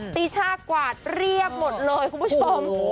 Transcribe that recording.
ปีช่ากวาดเรียบหมดเลยคุณผู้ชม